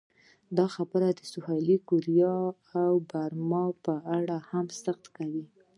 دا خبره د سویلي کوریا او برما په اړه هم صدق کوي.